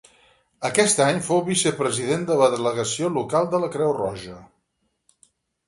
Aquest any fou vicepresident de la Delegació local de la Creu Roja.